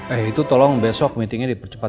eh itu tolong besok meetingnya dipercepat